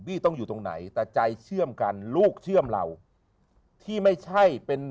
ต้องอยู่ตรงไหนแต่ใจเชื่อมกันลูกเชื่อมเราที่ไม่ใช่เป็น